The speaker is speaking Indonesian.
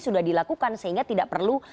sudah dilakukan sehingga tidak perlu